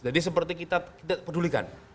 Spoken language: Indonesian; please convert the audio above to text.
jadi seperti kita pedulikan